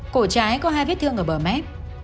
cổ trái có hai vết thương ở bờ mép